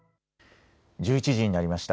１１時になりました。